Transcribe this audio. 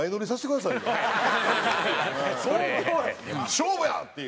勝負や！っていう。